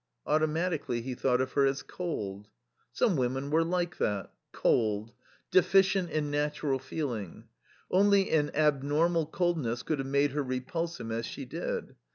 automatically he thought of her as cold. Some women were like that cold. Deficient in natural feeling. Only an abnormal coldness could have made her repulse him as she did.